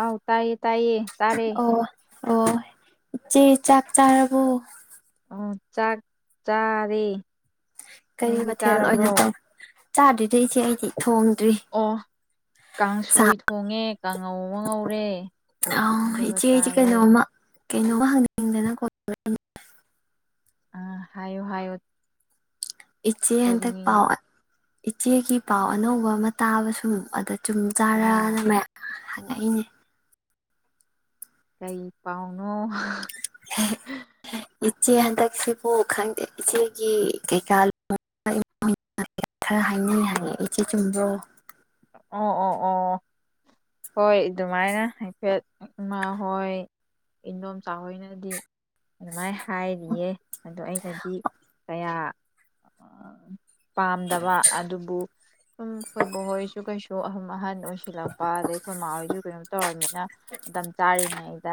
ꯑꯥꯎ ꯇꯥꯌꯦ ꯇꯥꯌꯦ ꯇꯥꯔꯦ ꯑꯣ ꯑꯣ ꯆꯦ ꯆꯥꯛ ꯆꯥꯔꯕꯣ ꯎꯝ ꯆꯥꯛ ꯆꯥꯔꯦ ꯀꯔꯤ ꯅꯪꯗꯤ ꯃꯊꯦꯜ ꯆꯥꯔꯕ꯭ꯔꯣ ꯑꯣꯏꯅ ꯇꯧ ꯆꯥꯗꯔꯤꯗ ꯏꯆꯦ ꯑꯩꯗꯤ ꯑꯣ ꯁꯥ ꯀꯥꯡꯁꯣꯏ ꯊꯣꯡꯉꯦ ꯀꯥꯡꯉꯧ ꯑꯃ ꯉꯧꯔꯦ ꯑꯗꯨꯒ ꯆꯥꯌꯦ ꯀꯩꯅꯣꯃ ꯍꯪꯅꯤꯡꯗꯅ ꯀꯣꯜ ꯇꯧꯔꯛꯏꯅꯦ ꯑꯩꯅ ꯍꯥꯏꯌꯨ ꯍꯥꯏꯌꯨ ꯏꯆꯦ ꯍꯟꯗꯛ ꯄꯥꯎ ꯑ ꯏꯆꯦ ꯒꯤ ꯄꯥꯎ ꯑꯅꯧꯕ ꯑꯃ ꯇꯥꯕ ꯁꯣꯝ ꯑꯗ ꯑꯥ ꯆꯨꯝꯖꯥꯠꯂꯥꯅ ꯃꯌꯥꯝ ꯍꯪꯉꯛꯏꯅꯤ ꯀꯩ ꯄꯥꯎꯅꯣ ꯍ ꯏꯆꯦ ꯍꯟꯗꯛꯁꯤꯕꯨ ꯈꯪꯗꯦꯏꯆꯦꯒꯤ ꯀꯩꯀꯥ ꯂꯨꯍꯣꯡꯕꯩ ꯑꯟꯏꯟꯇꯦꯜꯂꯤꯖꯤꯕꯜ ꯈꯔ ꯍꯥꯏꯅꯩ ꯍꯥꯏꯒꯦ ꯏꯆꯦ ꯆꯨꯝꯕꯔꯣ ꯑꯣ ꯑꯣ ꯑꯣ ꯍꯣꯏ ꯑꯗꯨꯃꯥꯏꯅ ꯍꯥꯏꯐꯦꯠ ꯏꯃꯥꯍꯣꯏ ꯏꯟꯗꯣꯝꯆꯥ ꯍꯣꯏꯅꯗꯤ ꯑꯗꯨꯃꯥꯏ ꯍꯥꯏꯔꯤꯌꯦ ꯑꯩꯅꯗꯤ ꯀꯌꯥ ꯄꯥꯝꯗꯕꯑꯗꯨꯕꯨ ꯁꯨꯝ ꯑꯩꯈꯣꯢ ꯕꯣꯛ ꯍꯣꯏꯁꯨ ꯀꯩꯁꯨ ꯑꯗꯨꯝ ꯑꯍꯟ ꯑꯣꯏꯁꯤꯜꯂꯛꯄ ꯑꯗꯩ ꯑꯗꯨ ꯀꯩꯅꯣ ꯇꯧꯔꯝꯃꯤ ꯅ ꯃꯇꯝ ꯆꯥꯔꯤꯉꯩ ꯗ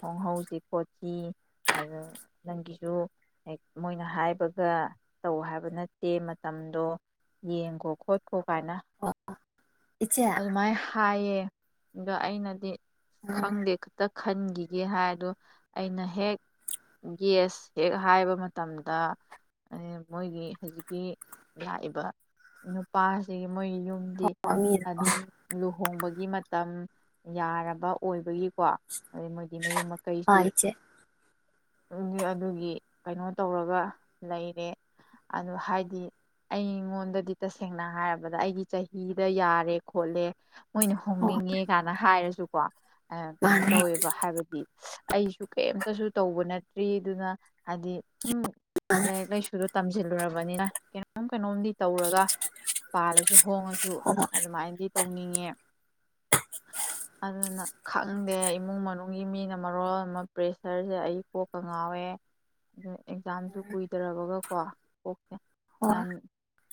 ꯍꯣꯡꯍꯧꯁꯤ ꯈꯣꯠꯁꯤ ꯑꯗꯨ ꯅꯪꯒꯤꯁꯨ ꯃꯣꯏꯅ ꯍꯥꯏꯕꯒ ꯇꯧ ꯍꯥꯏꯕ ꯅꯠꯇꯦ ꯃꯇꯝꯗꯣ ꯌꯦꯡꯒꯣ ꯈꯣꯠꯈꯣ ꯃꯥꯏꯅ ꯑꯣ ꯏꯆꯦ ꯑꯗꯨꯃꯥꯢ ꯍꯥ ꯍꯌꯦꯡ ꯒ ꯑꯩꯅꯗꯤ ꯈꯪꯗꯦ ꯈꯇ ꯈꯟꯒꯤꯒꯦ ꯍꯥꯏ ꯑꯗꯨ ꯑꯩꯅ ꯍꯦꯛ ꯌꯦꯁ ꯍꯦꯛ ꯍꯥꯏꯕ ꯃꯇꯝꯗ ꯑꯦ ꯃꯣꯏꯒꯤ ꯍꯧꯖꯤꯛꯀꯤ ꯂꯥꯛꯏꯕ ꯅꯨꯄꯥ ꯁꯤꯒꯤ ꯃꯣꯏ ꯌꯨꯝꯗꯤ ꯎꯝ ꯃꯤꯗꯣ ꯑꯗꯨꯝ ꯂꯨꯍꯣꯡꯕꯒꯤ ꯃꯇꯝ ꯌꯥꯔꯕ ꯑꯣꯏꯕꯒꯤ ꯑꯗꯩ ꯃꯣꯏꯗꯤ ꯃꯌꯨꯝ ꯑꯥ ꯃꯀꯩꯁꯨ ꯏꯆꯦ [inaudible] ꯑꯗꯨꯒꯤ ꯀꯩꯅꯣ ꯇꯧꯔꯒꯥ ꯂꯩꯔꯦ ꯑꯗꯨ ꯍꯥꯏꯗꯤ ꯑꯩꯉꯣꯟꯗꯥꯗꯤ ꯇꯁꯦꯡꯅ ꯍꯥꯏꯔꯕꯗ ꯑꯩꯒꯤ ꯆꯍꯤꯗ ꯌꯥꯔꯦ ꯈꯣꯠꯂꯦ ꯃꯣꯏꯅ ꯑꯣ ꯍꯣꯡꯅꯤꯡꯉꯦ ꯒꯥꯅ ꯍꯥꯏꯔꯁꯨ ꯀꯣ ꯑ ꯀꯩꯅꯣ ꯃꯥꯅꯦ ꯇꯩꯌꯦꯕ ꯍꯥꯏꯕꯗꯤ ꯑꯩꯁꯨ ꯀꯦꯝꯇꯁꯨ ꯇꯧꯕ ꯅꯠꯇ꯭ꯔꯤ ꯑꯗꯨꯅ ꯍꯥꯏꯗꯤ ꯍꯨꯝ ꯃꯥꯅꯦ ꯂꯥꯏꯔꯤꯛ ꯂꯥꯏꯁꯨꯁꯨ ꯇꯝ ꯆꯦꯜꯂꯨꯔꯕꯅꯤꯅ ꯀꯩꯅꯣꯝ ꯀꯩꯅꯣꯝꯗꯤ ꯇꯧꯔꯒ ꯄꯥꯜꯂꯖꯨ ꯍꯣꯡꯉꯖꯨ [unintelligible] ꯇꯧꯅꯤꯡꯏ ꯑꯗꯨꯅ ꯈꯪꯗꯦ ꯏꯃꯨꯡ ꯃꯅꯨꯡꯒꯤ ꯃꯤꯅꯥ ꯃꯔꯣꯜ ꯑꯃꯥ ꯄ꯭ꯔꯦꯁꯔꯖ‌ꯦ ꯑꯩ ꯀꯣꯛꯀꯥ ꯉꯥꯎꯏ ꯑꯦꯛꯖꯥꯝ ꯁꯨ ꯀꯨꯏꯗꯔ꯭ꯕꯒ ꯀꯣ ꯍꯣꯏ ꯌꯥꯝ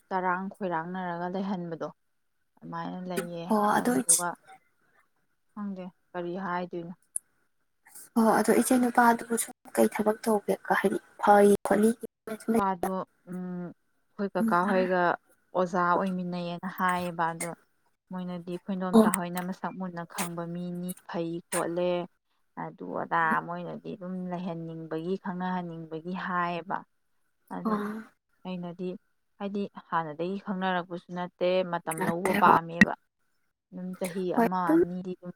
ꯆꯔꯪ ꯈꯣꯏꯔꯥꯟ ꯅꯔꯒ ꯂꯩꯍꯟ ꯕꯗꯨ ꯑꯗꯨꯃꯥꯏ ꯂꯩꯑꯦ ꯑꯣ ꯑꯗꯣ ꯏꯆꯦ ꯑꯗꯨꯒꯥ ꯀꯨꯪꯗꯦ ꯀꯔꯤ ꯍꯥꯏꯗꯣꯏꯅꯣ ꯑꯗꯨ ꯏꯆꯦ ꯅꯨꯄꯗꯨ ꯀꯔꯤ ꯊꯕꯛ ꯇꯦꯒꯥꯏ ꯍꯥꯏꯗꯤ ꯒꯩ ꯈꯣꯠꯂꯤ ꯅꯨꯄꯥꯗꯨ ꯑꯩꯈꯣꯌ ꯀꯥꯀꯥ ꯈꯣꯏꯒ ꯑꯣꯖꯥ ꯑꯣꯏꯃꯤꯟ ꯅꯩ ꯑꯥ ꯍꯥꯏ ꯑꯩꯈꯣꯌ ꯑꯦꯗꯣꯝꯆꯥ ꯈꯣꯏꯅꯥ ꯃꯁꯛ ꯃꯨꯟꯅꯥ ꯀꯨꯪꯕꯥ ꯃꯤꯅꯤ ꯒꯦꯏ ꯈꯣꯠꯂꯦ ꯑꯗꯨ ꯑꯗꯥ ꯃꯣꯏꯅꯗꯤ ꯑꯗꯨꯝ ꯂꯩꯖꯅꯥ ꯅꯤꯡ ꯕꯒꯤ ꯀꯅꯥ ꯎꯟ ꯅꯨꯡ ꯕꯥꯒꯤ ꯑꯗꯨ ꯔꯥꯏꯅꯥ ꯍꯥꯏꯗꯨ ꯍꯟꯅꯥ ꯗꯒꯤ ꯀꯅꯒ ꯅꯥꯔꯀ ꯄꯥꯁꯨ ꯅꯠꯇꯦ ꯃꯥꯇꯝ ꯂꯧꯕꯥ ꯄꯝꯃꯤꯕꯥ ꯆꯍꯤ ꯍꯣꯏ ꯑꯃꯥ ꯑꯗꯨꯝ ꯑꯅꯤꯗꯤ ꯑꯗꯨꯝ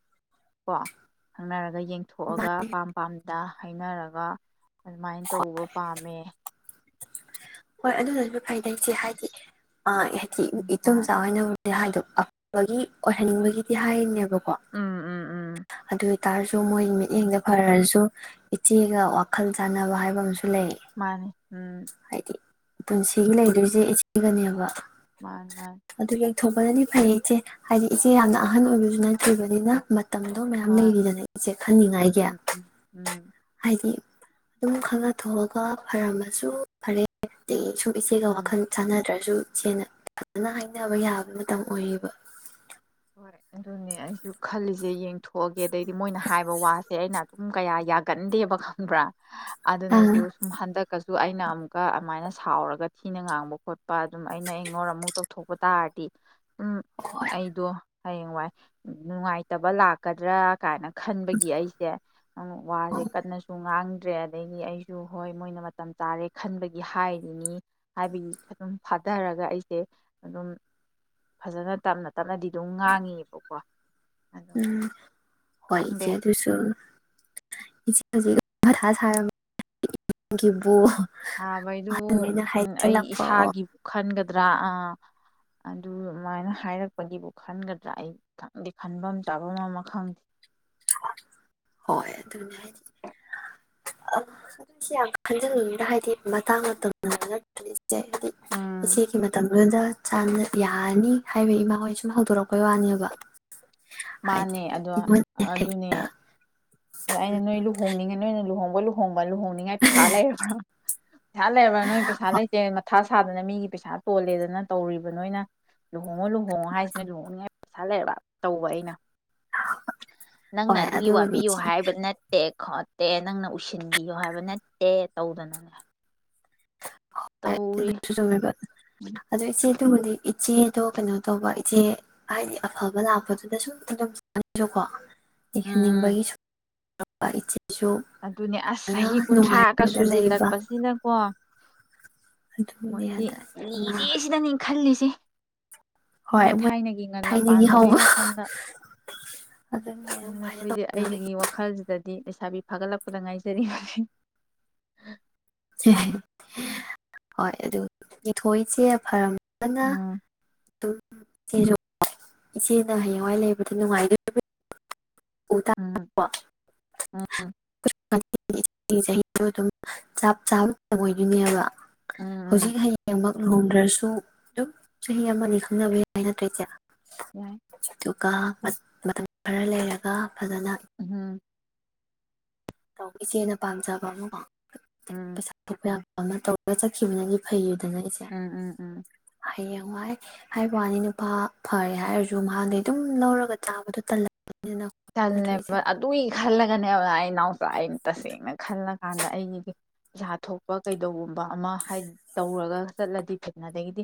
ꯀꯑꯣ ꯀꯨꯪꯅꯔꯛ ꯌꯦꯡ ꯊꯣꯛ ꯒꯥ ꯃꯥꯅꯤ ꯑꯄꯥꯝ ꯄꯝꯗ ꯍꯥꯏꯅꯔꯒ ꯑꯗꯨꯃꯥꯏꯅꯥ ꯇꯥꯕꯥ ꯄꯥꯝꯃꯤ ꯍꯣꯏ ꯑꯗꯨꯅꯗꯤ ꯒꯩꯗ ꯍꯥꯌꯗꯤ ꯑ ꯎꯝ ꯃꯥ ꯑꯦꯗꯣꯝꯆꯥꯍꯣꯏꯅꯥ ꯍꯥꯢꯗꯨ ꯑꯣꯏꯖꯅꯅꯤꯪꯕꯒꯤ ꯗꯤ ꯍꯥꯏꯅꯦꯕꯥ ꯎꯝ ꯎꯝ ꯎꯝ [unintelligible] ꯑꯗꯨ [unintelligible] ꯃꯣꯏ ꯃꯤꯠꯌꯦꯡꯗ ꯐꯔꯖꯨ ꯏꯆꯦꯒ ꯋꯥꯈꯜ ꯆꯥꯅꯕ ꯍꯥꯏꯕ ꯑꯝꯁꯨ ꯃꯥꯅꯤ꯫ ꯎꯝ ꯍꯥꯏꯗꯤ ꯄꯨꯟꯁꯤꯒꯤ ꯂꯩꯗꯣꯏꯖꯦ ꯏꯆꯦꯒꯅꯦꯕ꯫ ꯃꯥꯅꯤ ꯃꯥꯅꯤ꯫ ꯊꯣꯛ ꯄꯅꯗꯤ ꯐꯩꯌꯦ ꯏꯆꯦ ꯍꯥꯏꯗꯤ ꯏꯆꯦ ꯌꯥꯝꯅ ꯑꯍꯟ ꯑꯣꯏꯕꯖꯨ ꯅꯠꯇ꯭ꯔꯤꯕꯅꯤꯅ ꯃ ꯃꯇꯝꯗꯣ ꯃꯌꯥꯝ ꯍꯣꯏ ꯂꯩꯔꯤꯗꯅ ꯏꯆꯦ ꯎꯝ ꯈꯟꯅꯤꯉꯥꯏꯒꯤ ꯎꯝ ꯎꯝ ꯍꯥꯏꯗꯤ ꯑꯗꯨꯝ ꯈꯪꯅꯊꯣꯛꯑꯒ ꯐꯔꯝꯃ ꯁꯨ ꯐꯔꯦ [unintelligible] ꯏꯆꯦꯒ ꯎꯝ ꯎꯝ ꯋꯥꯈꯜ ꯆꯥꯟꯅꯗ꯭ꯔꯖꯨ ꯏꯆꯦꯅ [unintelligible] ꯍꯥꯏꯅꯕ ꯌꯥꯕꯩ ꯃꯇꯝ ꯑꯣꯏꯔꯤꯕ꯫ ꯑꯗꯨꯅꯤ ꯑꯩꯁꯨ ꯈꯜꯂꯤꯖꯤ ꯌꯦꯡꯊꯣꯛ ꯑꯗꯩꯗꯤ ꯃꯣꯏꯅ ꯍꯥꯏꯕ ꯋꯥꯁꯦ ꯑꯩꯅ ꯀꯌꯥ ꯌꯥꯒꯟꯗꯦꯕ ꯈꯡꯕ꯭ꯔꯥ ꯑꯗꯨꯅꯖꯨ ꯑꯥ ꯁꯨꯝ ꯍꯟꯗꯛ ꯀꯁꯨ ꯑꯩꯅ ꯑꯃꯨꯛ ꯑꯃꯥꯏꯅ ꯁꯥꯎꯔꯒ ꯊꯤꯅ ꯉꯥꯡꯕ ꯈꯣꯠꯄ ꯑꯗꯨꯝ ꯑꯩꯅ ꯏꯛꯅꯣꯔ ꯑꯃꯨꯛ ꯇꯧꯊꯣꯛꯄ ꯇꯥꯔꯗꯤ ꯎꯝ ꯍꯣꯏ ꯑꯩꯗꯣ ꯍꯌꯦꯡꯋꯥꯏ ꯅꯨꯡꯉꯥꯏꯇꯕ ꯂꯥꯛꯀꯗ꯭ꯔꯥ ꯀꯥꯏꯅ ꯈꯟꯕꯒꯤ ꯑꯩꯖꯦ ꯑꯃꯨꯛ ꯋꯥꯖꯦ ꯀꯟꯅꯖꯨ ꯉꯥꯡ ꯗ꯭ꯔꯦ ꯑꯗꯩꯗꯤ ꯑꯩꯖꯨ ꯍꯣꯏ ꯃꯣꯏꯅ ꯃꯇꯝ ꯆꯥꯔꯦ ꯈꯟꯕꯒꯤ ꯍꯥꯏꯔꯤꯅꯤ ꯍꯥꯏꯕꯒꯤ ꯑꯗꯨꯝ ꯐꯥꯗꯔꯒ ꯑꯩꯖꯦ ꯑꯗꯨꯝ ꯐꯖꯅ ꯇꯞꯅ ꯇꯞꯅꯗꯤ ꯗꯨꯝ ꯉꯥꯡꯉꯤꯅꯕꯀꯣ ꯎꯝ ꯍꯣꯢ ꯆꯦ ꯑꯗꯨꯁꯨ ꯏ ꯑꯗꯨꯗ ꯍꯊꯥ ꯁꯥꯔꯨꯅꯨ [unintelligible] ꯁꯥꯕꯕꯨ ꯑꯗꯨꯅ ꯑꯩ ꯍꯥꯏꯖꯜꯂꯛꯄ ꯏꯁꯥꯒꯤꯕꯨ ꯈꯟꯒꯗ꯭ꯔꯥ ꯑꯥ ꯑꯗꯨꯃꯥꯏꯅ ꯍꯥꯏꯔꯛꯄꯒꯤꯕꯨ ꯈꯟꯒꯗ꯭ꯔꯥ ꯑꯩ ꯈꯟꯗꯤ ꯈꯟꯕꯝ ꯆꯥꯕꯝ ꯑꯃ ꯈꯟ ꯍꯣꯏ ꯑꯗꯨꯅꯤ ꯍꯥꯏꯖꯦ ꯑꯁ ꯁꯤ ꯌꯥꯝ ꯈꯟꯖꯜꯂꯨꯅꯩꯗ ꯍꯥꯏꯗꯤ ꯃꯇꯥꯡ ꯃꯇꯝꯅ ꯖꯦ ꯑꯗꯨꯗꯤ ꯎꯝ ꯏꯆꯦꯒꯤ ꯃꯇꯝ ꯗꯨꯗ ꯆꯥꯟꯅ ꯌꯥꯔꯅꯤ ꯍꯥꯏꯕꯒꯤ ꯢꯃꯥ ꯍꯣꯏ ꯁꯨꯝ ꯍꯧꯗꯣꯔꯛꯄꯩ ꯋꯥꯅꯦꯕ ꯍꯥꯏꯗꯤ ꯃꯥꯅꯦ ꯑꯗꯣ ꯏꯃꯥꯍꯣꯏꯅ ꯑꯗꯨꯅꯦ ꯍꯦꯛꯇ ꯑꯗ ꯑꯩꯅ ꯅꯣꯏ ꯂꯨꯍꯣꯡꯅꯤꯡꯉ ꯅꯣꯏꯅ ꯂꯨꯍꯣꯡꯕ ꯂꯨꯍꯣꯡ ꯂꯨꯍꯣꯡꯅꯤꯡꯉꯥꯏ ꯄꯩꯁꯥ ꯂꯩꯔꯕ꯭ꯔꯥ ꯄꯩꯁꯥ ꯂꯩꯔꯕ꯭ꯔꯥ ꯅꯣꯏ ꯎꯩꯁꯥ ꯂꯩꯇꯦ ꯃꯊꯥ ꯁꯥꯗꯅ ꯃꯤꯒꯤ ꯄꯩꯁꯥ ꯇꯣꯜꯂꯦꯗꯅ ꯇꯧꯔꯤꯕ ꯅꯣꯏꯅ ꯂꯨꯍꯣꯡꯉꯣ ꯂꯨꯍꯣꯡꯉꯣ ꯍꯥꯏꯖꯤꯅ ꯂꯨꯍꯣꯡꯅꯤꯉꯥꯢ ꯄꯩꯁꯥ ꯂꯩꯔꯕ꯭ꯔꯥ ꯇꯧꯕ ꯑꯩ ꯅ꯫ ꯅꯪꯅ ꯍꯣꯏ ꯑꯗꯨꯒꯤ ꯑꯗꯨꯕꯨꯗꯤ ꯋꯥꯕꯤꯌꯨ ꯏꯆꯦ ꯍꯥꯏꯕ ꯅꯠꯇꯦ ꯈꯣꯠꯇꯦ ꯅꯪꯅ ꯎꯁꯤꯟꯕꯤꯌꯣ ꯍꯥꯏꯕ ꯅꯠꯇꯦ ꯇꯧꯗꯅꯅꯦ ꯍꯣꯏ ꯇꯧꯔꯤ ꯑꯗꯨꯁꯨ ꯆꯨꯝꯃꯦꯕ ꯑꯗꯨ ꯏꯆꯦ ꯑꯗꯨꯕꯨꯗꯤ ꯏꯆꯦꯗꯣ ꯀꯩꯅꯣ ꯇꯧꯕ ꯏꯆꯦ ꯍꯥꯏꯗꯤ ꯑꯐꯕ ꯂꯥꯛꯄꯗꯨꯗ ꯁꯨꯝ [unintelligible] ꯎꯝ ꯂꯩꯍꯟꯅꯤꯡꯕꯒꯤ ꯁꯨꯝ ꯥ [unintelligible] ꯏꯆꯦ ꯑꯗꯨꯅꯦ ꯑꯁ ꯆꯍꯤ ꯀꯨꯟꯊ꯭ꯔꯥꯒ ꯅꯨꯡꯉꯥꯏꯕꯗ ꯂꯩꯕ ꯁꯨꯖꯤꯜꯂꯛꯄꯁꯤꯅꯀꯣ ꯑꯗꯨꯕꯨꯅꯦ ꯃꯣꯏꯗꯤ ꯑꯗ ꯏꯃꯥ ꯂꯤꯔꯦ ꯁꯤꯗꯅꯦ ꯈꯜꯂꯤꯁꯦ꯫ ꯏ ꯃꯣꯏ ꯊꯥꯏꯅꯒꯤ ꯉꯟꯅ ꯊꯥꯏꯅꯒꯤ ꯄꯥꯟꯕꯗꯨꯒꯤ ꯍꯧꯕ ꯋꯥꯈꯜꯗ ꯑꯗꯨꯅ ꯑꯗꯨꯃꯥꯏꯅ ꯑꯩꯈꯣꯏꯗꯤ ꯇꯧꯅꯕꯒꯤ ꯑꯩꯒꯤ ꯋꯥꯈꯜꯁꯤꯗꯗꯤ ꯂꯩꯁꯥꯕꯤ ꯐꯥꯒꯠꯂꯛꯄꯗ ꯉꯥꯏꯖꯔꯤꯕꯅꯤ ꯍꯣꯏ ꯑꯗꯨ ꯊꯣꯏꯁꯦ ꯐꯔꯝ ꯑꯅ ꯎꯝ ꯏꯆꯦꯖꯨ ꯏꯆꯦꯅ ꯍꯌꯦꯡꯋꯥꯏ ꯂꯩꯕꯗ ꯅꯨꯡꯉꯥꯏꯗꯣꯏ ꯎꯝ [inaudible] [inaudible] ꯆꯞ ꯆꯥꯕ ꯑꯣꯏꯗꯣꯏꯅꯦꯕ ꯎꯝ ꯎꯝ ꯍꯧꯖꯤꯛ ꯍꯌꯦꯡ ꯃꯛ ꯂꯨꯍꯣꯡꯗ꯭ꯔꯁꯨ ꯑꯗꯨꯝ ꯆꯍꯤ ꯑꯃꯅꯤ ꯈꯪꯅꯕ ꯌꯥꯏ ꯅꯠꯇ꯭ꯔ ꯏꯆꯦ ꯎꯝ ꯑꯗꯨꯒ ꯃꯇꯝ ꯈꯔ ꯂꯩꯔꯒ ꯐꯖꯅ ꯎꯝ ꯇꯧ ꯏꯆꯦꯅ ꯄꯥꯝꯖꯕ ꯑꯃꯀꯣ ꯎꯝ ꯄꯩꯁꯥ ꯊꯣꯛꯄ ꯌꯥꯕ ꯑꯃ ꯇꯧꯔꯒ ꯆꯠꯈꯤꯕꯅꯗꯤ ꯐꯩꯌꯦ ꯎꯝ ꯎꯝ ꯎꯝ ꯍꯌꯦꯡ ꯋꯥꯏ ꯍꯥꯏꯕ ꯋꯥꯅꯤ ꯅꯨꯄꯥ ꯐꯔꯦ ꯍꯥꯏꯔꯁꯨ ꯃꯍꯥꯛꯗꯩ ꯑꯗꯨꯝ ꯂꯧꯔꯒ ꯆꯥꯕꯗꯣ ꯇꯜꯂꯦ ꯇꯜꯂꯦꯕ ꯑꯗꯨꯏ ꯈꯜꯂꯒꯅꯦꯕ ꯑꯩ ꯏꯅꯥꯎꯆꯥ ꯑꯩꯅꯥ ꯇꯁꯦꯡꯅ ꯈꯜꯂꯀꯥꯟꯗ ꯑꯩꯒꯤꯗꯤ ꯄꯩꯁꯥ ꯊꯣꯛꯄ ꯀꯩꯗꯧꯕꯝ ꯑꯃ ꯍꯥꯏ ꯇꯧꯔꯒ ꯆꯠꯂꯗꯤ ꯊꯦꯡꯅꯗꯩꯒꯤꯗꯤ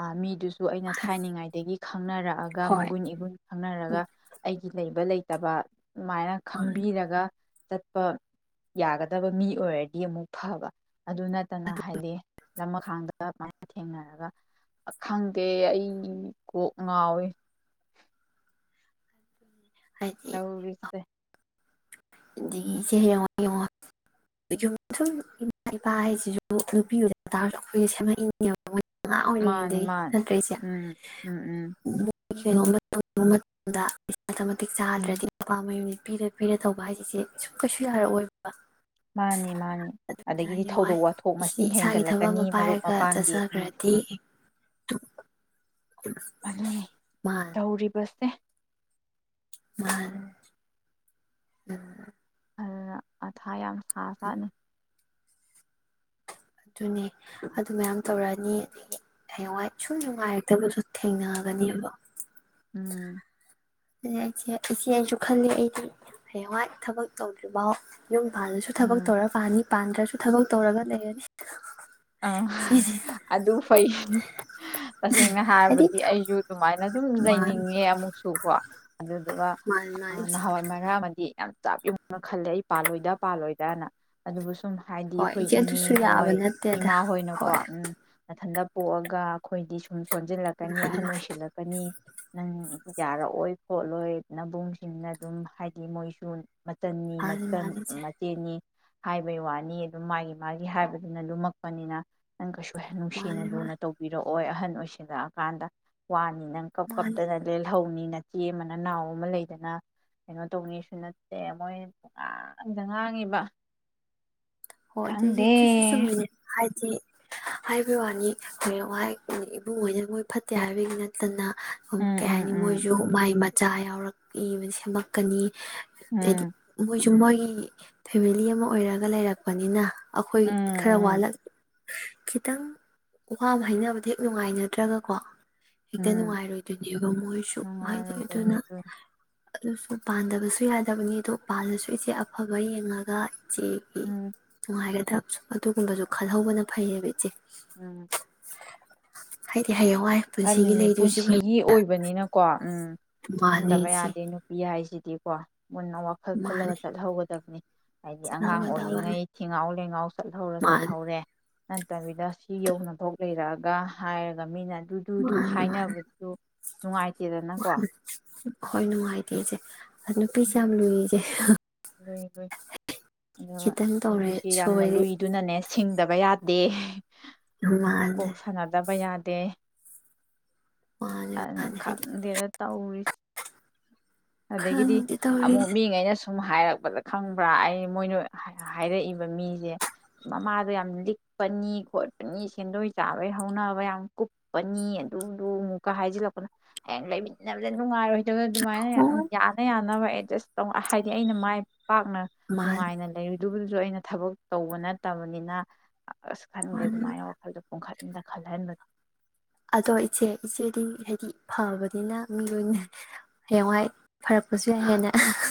ꯑ ꯃꯤꯗꯨꯁꯨ ꯑꯗꯨ ꯑꯩꯅ ꯊꯥꯏꯅꯉꯥꯏꯗꯒꯤ ꯈꯪꯅꯔꯛꯑꯒ ꯍꯣꯏ ꯃꯒꯨꯟ ꯏꯒꯨꯟ ꯈꯪꯅꯔꯒ ꯑꯩ ꯂꯩꯕ ꯂꯩꯇꯥ ꯇꯥꯕ ꯑꯗꯨꯃꯥꯏ ꯈꯟꯕꯤꯔꯒ ꯆꯠꯄ ꯌꯥꯒꯗꯥꯕ ꯃꯤ ꯑꯣꯏꯔꯗꯤ ꯑꯃꯨꯛ ꯐꯥꯕ ꯑꯗꯨ ꯅꯠꯇꯅ ꯑꯗꯨ ꯍꯥꯏꯗꯤ ꯂꯥꯃꯥꯈꯥꯡꯗ ꯃꯥꯒꯥ ꯊꯦꯡꯅꯔꯒ ꯈꯪꯗꯦ ꯑꯩ ꯀꯣꯛ ꯉꯥꯎꯏ ꯇꯧꯔꯤꯁꯦ ꯑꯗꯥꯒꯤ ꯏꯆꯦ ꯍꯥꯌꯦꯡꯋꯥꯏ ꯁꯨꯝ ꯏꯃꯥ ꯏꯄꯥ ꯍꯥꯏꯁꯤꯁꯨ ꯅꯨꯄꯤ ꯑꯣꯏꯖꯇ꯭ꯔꯥꯁꯨ ꯑꯩꯈꯣꯏꯁꯦ ꯁꯦꯝꯃꯛꯏꯅꯦꯕ ꯑꯉꯥꯡ ꯃꯥꯅꯤ ꯑꯣꯏꯔꯤꯉꯩꯗꯒꯤ ꯃꯥꯅꯤ ꯅꯠꯇ꯭ꯔ ꯏꯆꯦ ꯎꯝ ꯎꯝ ꯎꯝ ꯀꯩꯅꯣꯝꯃ ꯇꯧꯕ ꯃꯇꯝꯗ ꯏꯁꯥ ꯃꯥꯇꯤꯛ ꯎꯝ ꯆꯥꯗ꯭ꯔꯥꯗꯤ ꯅꯨꯄꯥ ꯃꯥꯌꯨꯝ ꯄꯤꯔꯥ ꯄꯤꯔꯥ ꯇꯧꯕ ꯍꯥꯏꯖꯦ ꯀꯩꯁꯨ ꯌꯥꯈꯛꯑꯣꯏ ꯃꯥꯅꯦ ꯃꯥꯅꯦ ꯑꯗꯒꯤꯗꯤ ꯍꯌꯦꯡꯋꯥꯏ ꯊꯧꯗꯣꯛ ꯋꯥꯊꯣꯛ ꯏꯁꯤ ꯃꯁꯤꯡ ꯏꯁꯥꯒꯤ ꯊꯕꯛ ꯍꯦꯟꯒꯠꯂꯠꯀꯅꯤ ꯑꯃ ꯃꯔꯨꯞ ꯄꯥꯏꯔꯒ ꯃꯄꯥꯡꯒꯤ ꯎꯝ ꯆꯠꯆꯈ꯭ꯔꯗꯤ ꯑꯗꯨꯅꯤ ꯃꯥꯟ ꯇꯧꯔꯤꯕꯁꯦ꯫ [unintelligible] ꯑ ꯃꯊꯥ ꯌꯥꯝ ꯄꯥꯖ ꯇꯅꯤ ꯗꯨꯅꯦ ꯑꯗꯨ ꯃꯌꯥꯝ ꯇꯧꯔꯅꯤ ꯍꯌꯦꯡꯋꯥꯏ ꯁꯨꯝ ꯅꯨꯉꯥꯏꯔꯛꯇꯕꯗꯨ ꯊꯦꯡꯅꯒꯅꯤꯕ꯫ ꯎꯝ ꯅꯤ ꯏꯆꯦ ꯏꯆꯦ ꯑꯩꯖꯨ ꯈꯜꯂꯦ ꯑꯩꯁꯨ ꯍꯌꯦꯡꯋꯥꯏ ꯊꯕꯛ ꯇꯧꯗꯔ꯭ꯤ ꯕꯥꯎ ꯌꯨꯝ ꯄꯥꯜꯂꯁꯨ ꯊꯕꯛ ꯎꯝ ꯇꯧꯔ ꯄꯥꯟꯅꯤ꯫ ꯄꯟꯗꯔ꯭ꯁꯨ ꯊꯕꯛ ꯇꯧꯔꯒꯥ ꯂꯩꯔꯅꯤ ꯑꯥ ꯍ ꯁꯤꯅꯤ ꯑꯗꯨ ꯐꯩ ꯍꯤ ꯇꯁꯦꯡꯅ ꯍꯥꯏꯗꯤ ꯍꯥꯏꯔꯕꯗꯤ ꯑꯩꯁꯨ ꯑꯗꯨꯃꯥꯏ ꯑꯗꯨꯝ ꯃꯥꯅꯤ ꯂꯩꯅꯤꯡꯏ ꯑꯃꯨꯛꯁꯨ ꯀꯣ ꯑꯗꯨꯗꯨꯒ ꯃꯥꯅꯤ ꯑ ꯃꯥꯅꯤ ꯏꯆꯦ ꯅꯍꯥꯟꯋꯥꯏ ꯃꯔꯛ ꯑꯃꯗꯤ ꯌꯥꯝ ꯆꯞ ꯌꯨꯡ ꯅ ꯈꯜꯂꯤ ꯑꯩ ꯄꯥꯂꯣꯏꯗ ꯄꯥꯂꯣꯏꯗꯅ ꯑꯗꯨꯕꯨ ꯁꯨ ꯎꯝ ꯍꯥꯏꯗꯤ ꯍꯣꯏ ꯈꯣꯏ ꯏꯆꯦ ꯑꯗꯨꯁꯨ ꯌꯥꯕ ꯏꯅꯦꯍꯣꯏ ꯅꯠꯇꯦꯗ ꯏꯃꯥ ꯍꯣꯏꯅ ꯀꯣ ꯍꯣꯏ ꯎꯝ ꯊꯟꯗ ꯄꯣꯛꯑꯒꯥ ꯑꯈꯣꯏꯗꯤ ꯁꯨꯝ ꯁ ꯁꯣꯟꯖꯤꯟ ꯂꯛ ꯀꯅꯤ ꯃꯥꯅꯤ ꯑꯍꯟ ꯃꯥꯅꯤ ꯑꯣꯏꯁꯤꯟ ꯂꯥꯛꯀꯅꯤ ꯌꯥꯔꯛꯑꯣꯏ ꯈꯣꯠꯂꯣꯏ ꯅꯕꯨꯡ ꯁꯤꯡꯅꯗꯨꯝ ꯍꯥꯏꯗꯤ ꯃꯤꯏꯁꯨ ꯃꯠ ꯇꯅꯤ ꯃꯥꯅꯤ ꯃꯆꯟ ꯃꯥꯅꯤ ꯏꯆꯦ ꯃꯆꯦꯅꯤ ꯍꯥꯏꯕꯩ ꯋꯥꯅꯤ ꯑꯗꯨꯝ ꯃꯥꯏ ꯃꯥꯒꯤ ꯗꯨꯕꯗꯨ ꯅ ꯂꯨꯝꯃꯛꯄꯅꯤꯅ ꯅꯪ ꯀꯩꯁꯨ ꯅꯨꯡꯁꯤꯅ ꯃꯥꯅꯤ ꯂꯨꯅ ꯃꯥꯅꯤ ꯇꯧꯕꯤꯔꯛ ꯑꯣꯏ ꯑꯍꯟ ꯑꯣꯏꯁꯤꯂꯛꯑꯀꯥꯟꯗ ꯋꯥꯅꯤ ꯅꯪ ꯀꯞ ꯃꯥꯅꯤ ꯀꯞꯇꯅ ꯂꯦꯜꯍꯧꯅꯤꯡ ꯅꯆꯦ ꯑꯃꯅ ꯅꯥꯎ ꯑꯃ ꯂꯩꯗꯅ ꯀꯩꯅꯣ ꯇꯧꯅꯤꯁꯨ ꯅꯠꯇꯦ ꯃꯣꯏ ꯄꯉꯥꯟꯗ ꯉꯥꯡꯉꯤꯕ ꯍꯣ ꯈꯪꯗꯦ ꯑꯗꯨꯖꯨ ꯁꯨ ꯆꯨꯝꯃꯤꯅꯦ ꯍꯥꯏꯗꯤ ꯍꯥꯏꯕꯩ ꯋꯥꯅꯤ ꯍꯌꯦꯡꯋꯥꯏ ꯏꯕꯨꯡꯉꯣꯏꯅ ꯃꯣꯏ ꯐꯠꯇꯦ ꯍꯥꯏꯕꯒꯤ ꯅꯠꯇꯅ ꯍꯝ ꯎꯝ ꯀꯦ ꯍꯥꯏꯅꯤ ꯎꯝ ꯃꯣꯏꯁꯨ ꯃꯥꯏ ꯃꯠ ꯆꯥ ꯌꯥꯎꯔꯛꯏ ꯃ ꯁꯦꯝꯃꯛꯀꯅꯤ ꯎꯝ ꯗꯩꯗꯤ ꯎꯝ ꯃꯣꯏꯁ ꯃꯣꯏ ꯏ ꯐꯦꯃꯤꯂꯤ ꯑꯃ ꯑꯣꯏꯔꯒ ꯂꯩꯔꯛ ꯄꯅꯤꯅ ꯑꯈꯣꯏ ꯎꯝ ꯈꯔ ꯎꯝ ꯋꯥꯠꯂꯛ ꯈꯤꯇꯪ ꯋꯥ ꯑꯃ ꯍꯥꯏꯅꯕꯗ ꯍꯦꯛ ꯅꯨꯡꯉꯥꯏꯅꯗ꯭ꯔꯒꯀꯣ ꯍꯦꯛꯇ ꯎꯝ ꯅꯨꯡꯉꯥꯏꯔꯣꯏꯗꯣꯏꯅꯦꯕ ꯃꯣꯏꯁꯨ ꯋꯍꯥꯏꯗꯤ ꯅꯨꯡꯉꯥꯏꯔꯣꯏꯗꯣꯏꯅꯦ ꯑꯗꯨꯅ ꯑꯗꯨ ꯑꯗꯨꯁꯨ ꯄꯥꯟꯗꯕꯁꯨ ꯌꯥꯗꯕꯅꯤꯗꯣ ꯄꯥꯜꯂꯁꯨ ꯏꯆꯦ ꯑꯐꯕ ꯌꯦꯡꯉꯒ ꯎꯝ [unintelligible] [inaudible] ꯑꯗꯨꯒꯨꯝꯕꯖꯨ ꯈꯜꯍꯧꯕꯅ ꯐꯩꯌꯦꯕ ꯏꯆꯦ ꯎꯝ ꯍꯥꯏꯗꯦ ꯍꯌꯦꯡꯋꯥꯏ ꯄꯨꯟꯁꯤꯒꯤ ꯂꯩꯗꯣꯏꯖꯤꯕꯨ ꯂꯩ ꯕꯅꯤꯅꯀꯣ ꯎꯝ ꯈꯟꯗꯕ ꯏꯆꯦ ꯌꯥꯗꯦ ꯅꯨꯄꯤ ꯍꯥꯏꯖꯤ ꯗꯤꯀꯣ ꯃꯨꯟꯅ ꯋꯥꯈꯜ ꯃꯥꯅꯤ ꯈꯜꯂꯒ ꯆꯠꯍꯧꯒꯗꯕꯅꯤ ꯍꯥꯏꯗꯤ ꯑꯉꯥꯡ ꯆꯠꯍꯧꯒꯗꯕꯅꯤ ꯑꯣꯏꯔꯤꯉꯩ ꯊꯤꯉꯥꯎ ꯂꯩꯉꯥꯎ ꯆꯠꯍꯧꯔ ꯃꯥꯅꯤ ꯆꯠꯍꯧꯔꯦ ꯅꯠꯇꯕꯤꯗ [inaudible] ꯌꯧꯅꯚꯧ ꯂꯩꯔꯑꯒ ꯍꯥꯏꯔꯒ ꯃꯤꯅ ꯑꯗꯨꯗꯨꯗꯨ ꯃꯥꯟꯅꯤ ꯃꯥꯟꯅꯤ ꯍꯥꯏꯅꯕꯗꯨ ꯅꯨꯡꯉꯥꯏꯇꯦꯗꯅꯀꯣ [inaudible] ꯍꯣꯏ ꯅꯨꯡꯉꯥꯏꯇꯦ ꯏꯆꯦ ꯑ ꯅꯨꯄꯤꯁꯦ ꯌꯥꯝ ꯂꯨꯏꯌꯦ ꯏꯆꯦ [unintelligible] ꯂꯨꯏ ꯂꯨꯏ ꯑꯗꯨꯒ ꯈꯤꯇꯪ ꯇꯧꯔꯦ ꯅꯨꯄꯤꯁꯦ ꯌꯥꯝꯅ ꯁꯣꯏꯔꯦ ꯂꯨꯏꯗꯨꯅꯅꯦ ꯁꯤꯡꯗꯕ ꯌꯥ ꯗꯦ ꯃꯥꯅꯦ ꯀꯣꯛ ꯁꯥꯟꯅꯗꯕ ꯌꯥ ꯇꯦ ꯃꯥꯅꯦ ꯑꯅ ꯃꯥꯅꯦ ꯍꯥꯏꯗꯤ ꯈꯪꯗꯦꯗ ꯇꯧꯔꯤ ꯑꯗꯒꯤꯗꯤ ꯈꯪꯗꯦ ꯑꯃꯨꯛ ꯇꯧꯔꯤꯁꯦ ꯃꯤꯉꯩꯅꯁꯨ [unintelligible] ꯍꯥꯏꯔꯛꯄꯗ ꯈꯪꯕ꯭ꯔꯥ ꯑꯩ ꯃꯣꯏꯅ ꯍꯥꯏ ꯍꯥꯏꯔꯛꯏꯕ ꯃꯤꯖꯦ ꯃꯃꯥꯗꯣ ꯌꯥꯝ ꯂꯤꯛꯄꯅꯤ ꯈꯣꯠꯄꯅꯤ ꯁꯦꯟꯗꯣꯏ ꯆꯥꯕꯩ ꯍꯧꯅꯕ ꯌꯥꯝ ꯀꯨꯞꯄꯅꯤ ꯑꯗꯨꯗꯨ ꯃꯨꯛꯀ ꯍꯥꯏꯖꯤꯜꯂꯛꯄꯅ ꯍꯑꯦꯡ ꯂꯩꯃꯤꯟꯅꯕꯗ ꯅꯨꯡꯉꯥꯏꯔꯣꯏ [inaudible] ꯗꯨꯃꯥꯏꯅ ꯎꯝ ꯍꯣꯏ ꯌꯥꯅ ꯌꯥ ꯅꯕ ꯑꯦꯖꯁ [inaudible] ꯗꯤ ꯑꯩꯅ ꯃꯥꯏ ꯄꯥꯛꯅ ꯃꯥꯅꯤ ꯅꯨꯉꯥꯏꯅ ꯂꯩꯔꯨ ꯗꯨꯕꯨꯖꯨꯖꯨ ꯑꯩꯅ ꯊꯕꯛ ꯇꯧꯕ ꯅꯠꯇꯕꯅꯤꯅ ꯑꯁ ꯈꯟꯗꯦ ꯃꯥꯅꯤ ꯗꯨꯃꯥꯏꯅ ꯋꯈꯜꯗꯣ ꯄꯨꯡꯈꯟ ꯗ ꯈꯟꯒꯟꯕꯅꯤ ꯑꯗꯣ ꯏꯆꯦ ꯏꯆꯦꯗꯤ ꯍꯩꯗꯤ ꯐꯕꯅꯤꯅ ꯃꯤ ꯂꯣꯏꯅ ꯍꯌꯦꯡꯋꯥꯏ ꯐꯔꯛꯄꯖꯨ ꯌꯥꯏ ꯍꯦꯟꯅ ꯑꯍꯍ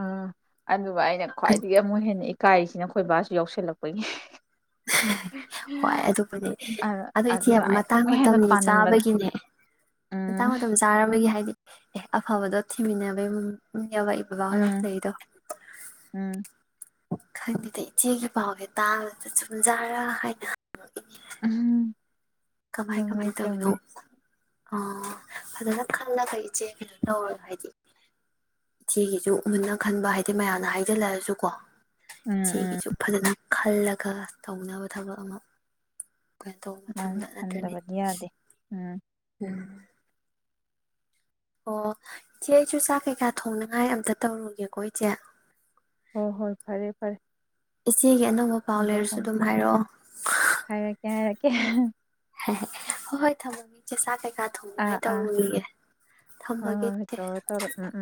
ꯎꯝ ꯑꯗꯨ ꯑꯩꯅ ꯈ꯭ꯋꯥꯢꯗꯒꯤ ꯑꯃꯨ ꯍꯦꯟꯅ ꯏ ꯇꯥꯏꯁꯤꯅ ꯑꯩꯈꯣꯏ ꯕꯥꯁꯨ ꯌꯥꯎꯁꯜꯂꯛꯄꯩꯅꯦ ꯍꯣꯏ ꯑꯗꯨꯕꯨꯗꯤ ꯑꯗꯣ ꯏꯆꯦ ꯑꯗꯨ ꯑꯩ ꯃꯇꯥꯡ ꯑꯃꯨꯛ ꯍꯦꯟꯅ ꯃꯇꯝꯗꯤ ꯇꯟꯕꯗ ꯆꯥꯕꯒꯤꯅꯦ ꯎꯝ ꯃꯇꯥꯡ ꯃꯇꯝ ꯆꯥꯔꯕꯒꯤ ꯍꯥꯢꯗꯤ ꯑꯦ ꯑꯐꯕꯥꯗꯣ ꯊꯤꯃꯤꯟꯅꯕꯩ ꯎꯝ [inaudible] ꯎꯝ [unintelligible] ꯈꯪꯗꯦꯗ ꯏꯆꯦꯒꯤ ꯄꯥꯎꯁꯦ ꯇꯥꯕꯗ [unintelligible] [unintelligible] ꯀꯃꯥꯏ ꯆꯨꯝꯃꯦ ꯀꯃꯥꯏ ꯇꯧꯔꯤꯅꯣ ꯆꯨꯝꯃꯦ ꯑ ꯐꯖꯅ ꯈꯪꯅꯒ꯭ꯔꯦ ꯏꯆꯦꯒꯤ ꯍꯥꯏꯗꯤ ꯏꯆꯦꯒꯤꯖꯨ ꯃꯨꯟꯅ ꯈꯟꯕ ꯍꯥꯏꯗꯤ ꯃꯌꯥꯝꯅ ꯍꯥꯏꯖꯤꯜꯂꯛ ꯑꯁꯨꯀꯣ ꯎꯝ ꯎꯝ ꯏꯆꯦꯒꯤꯁꯨ ꯐꯖꯅ ꯈꯜꯂꯒ ꯇꯧꯅꯕ ꯊꯕꯛ ꯑꯃꯨꯛ [unintelligible] ꯍꯤꯡꯗꯕꯗꯤ ꯌꯥꯗꯦ ꯎꯝ ꯎꯝ ꯑꯣ ꯏꯆꯦ ꯑꯩꯁꯨ ꯆꯥꯛ ꯀꯩꯀꯥ ꯊꯣꯡꯅꯉꯥꯏ ꯑꯝꯇ ꯇꯧꯔꯨꯒꯦꯀꯣ ꯏꯆꯦ ꯍꯣꯏ ꯍꯣꯏ ꯐꯔꯦ ꯐꯔꯦ ꯏꯆꯦꯒꯤ ꯑꯅꯧꯕ ꯄꯥꯎ ꯊꯣꯡꯗꯣꯛ ꯂꯩꯔꯁꯨ ꯊꯣꯡ ꯑꯗꯨꯝ ꯍꯥꯏꯔꯛ ꯑꯣ ꯍꯥꯏꯔꯛꯀꯦ ꯍꯥꯏꯔꯛꯀꯦ ꯍꯣꯏ ꯍꯣꯏ ꯊꯝꯃꯒꯦ ꯏꯆꯦ ꯆꯥꯛ ꯀꯩ ꯆꯥꯛ ꯑꯥ ꯊꯣꯡꯅꯉꯥꯏ ꯑꯥ ꯇꯧꯔꯨꯒꯤꯒꯦ ꯍꯣꯏ ꯊꯝꯃꯒꯦ ꯍꯣꯏ ꯍꯣꯏ ꯇꯧꯔꯣ ꯇꯧꯔꯣ ꯎꯝ ꯎꯝ